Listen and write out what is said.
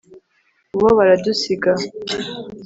bo, baradusiga